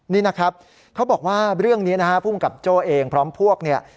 นี่นะครับเขาบอกว่าเรื่องนี้นะฮะภูมิกับโจ้เองพร้อมพวกเนี่ย